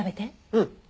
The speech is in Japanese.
うん。